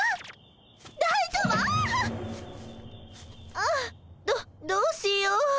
ああどどうしよう。